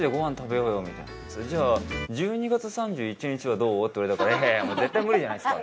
「じゃあ１２月３１日はどう？」って言われたから「いやいや絶対無理じゃないですか」